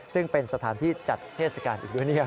ซึ่งเป็นสถานที่จัดเทศกาลอีกด้วย